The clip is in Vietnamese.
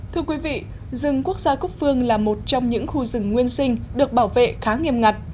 thưa quý vị rừng quốc gia cúc phương là một trong những khu rừng nguyên sinh được bảo vệ khá nghiêm ngặt